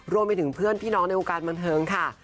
รวมไปถึงเพื่อนพี่น้องในวงการบันเทิงค่ะ